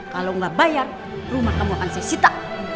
kalau gak bayar rumah kamu akan sesita